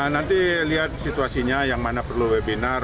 nanti lihat situasinya yang mana perlu webinar